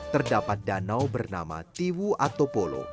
terdapat danau bernama tiwu atau polo